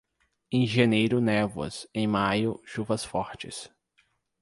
Em janeiro névoas, em maio, chuvas fortes.